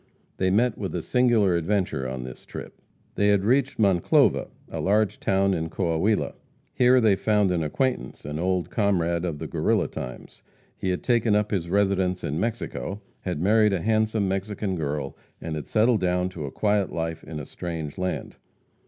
They met with a singular adventure on this trip. They had reached Monclova, a large town in Coahuila. Here they found an acquaintance an old comrade of the Guerrilla times. He had taken up his residence in Mexico, had married a handsome Mexican girl, and had settled down to a quiet life in a strange land.